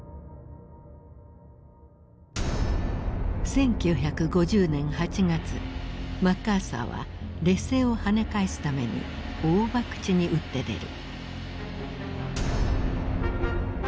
１９５０年８月マッカーサーは劣勢をはね返すために大ばくちに打って出る。